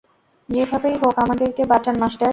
যেভাবেই হোক আমাদেরকে বাঁচান, মাস্টার।